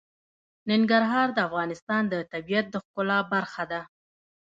ننګرهار د افغانستان د طبیعت د ښکلا برخه ده.